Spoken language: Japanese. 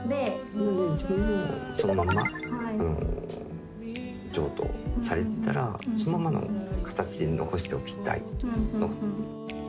それをそのまま譲渡されたらそのままの形で残しておきたい。